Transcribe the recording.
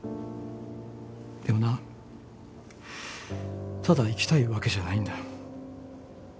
でもなただ生きたいわけじゃないんだよ。